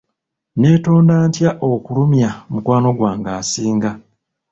Neetonda ntya okulumya mukwano gwange asinga?